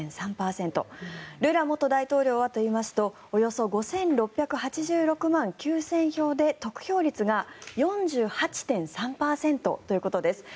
ルラ元大統領はというとおよそ５６８６万９０００票で得票率が４８．３％ということです。